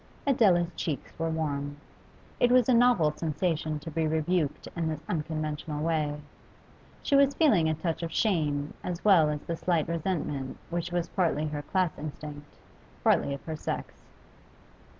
Adela's cheeks were warm. It was a novel sensation to be rebuked in this unconventional way. She was feeling a touch of shame as well as the slight resentment which was partly her class instinct, partly of her sex.